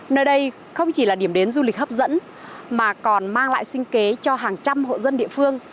nơi đây không chỉ là điểm đến du lịch hấp dẫn mà còn mang lại sinh kế cho hàng trăm hộ dân địa phương